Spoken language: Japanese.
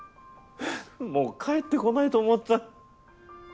もう帰ってこないと思った。